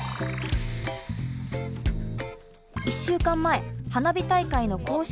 １週間前花火大会の公式